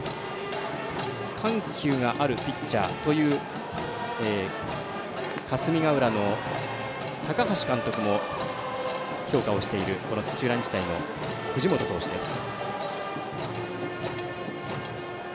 緩急があるピッチャーという霞ヶ浦の高橋監督も評価をしている土浦日大の藤本投手です。